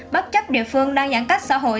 bất chấp địa phương đang giãn cách xã hội